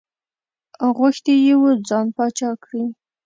غوښتي یې وو ځان پاچا کړي.